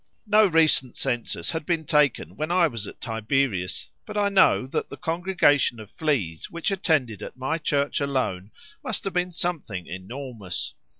No recent census had been taken when I was at Tiberias, but I know that the congregation of fleas which attended at my church alone must have been something enormous.